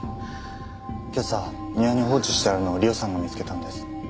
けさ庭に放置してあるのを里緒さんが見つけたんです。